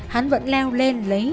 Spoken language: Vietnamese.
hắn vẫn leo lên lấy